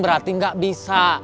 berarti gak bisa